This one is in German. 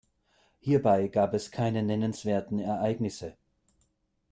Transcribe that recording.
Hierbei gab es keine nennenswerten Ereignisse.